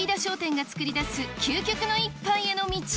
飯田商店が作り出す、究極の一杯への道。